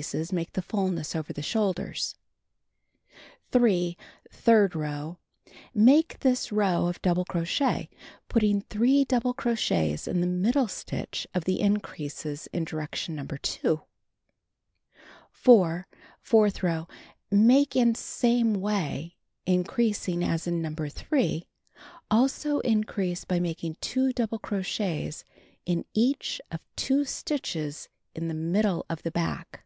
ses make the fulness over the shoulders, 8. Third row: Make this row of double crochet, putting 3 double crochets in the middle stitch of tiie increases in direction No. 2. 4. Fourth row: Make in same way, increasing as in No. 3. Also increase by making 2 double crochets in each of 2 stitches in the middle of the back.